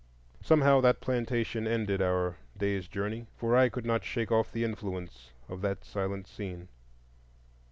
Somehow that plantation ended our day's journey; for I could not shake off the influence of that silent scene.